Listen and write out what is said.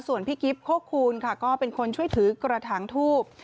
ส่วนพี่กิ๊บโคคูณค่ะก็เป็นคนช่วยถือกระถางทูบ